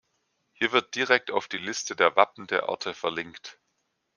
Hier wird direkt auf die Liste der Wappen der Orte verlinkt.